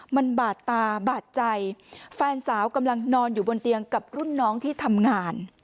มันบาดตาบาดใจแฟนสาวกำลังนอนอยู่บนเตียงกับรุ่นน้องที่ทำงาน